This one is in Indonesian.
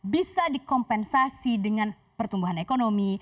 bisa dikompensasi dengan pertumbuhan ekonomi